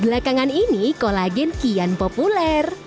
belakangan ini kolagen kian populer